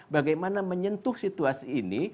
bagaimana menyentuh situasi ini